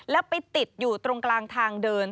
แล้วไปติดอยู่ตรงกลางทางเดิน